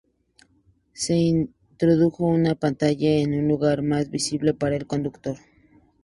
Se introdujo una pantalla en un lugar más visible para el conductor.